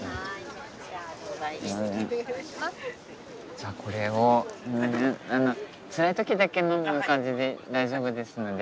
じゃあこれをつらい時だけ飲む感じで大丈夫ですので。